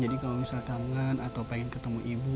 jadi kalau misal kangen atau pengen ketemu ibu